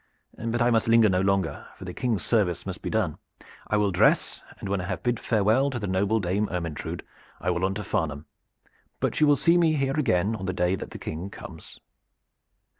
But I must linger no longer, for the King's service must be done. I will dress, and when I have bid farewell to the noble Dame Ermyntrude I will on to Farnham; but you will see me here again on the day that the King comes."